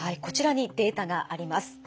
こちらにデータがあります。